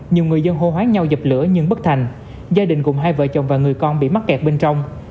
nhiều người dân hô hoáng nhau dập lửa nhưng bất thành gia đình cùng hai vợ chồng và người con bị mắc kẹt bên trong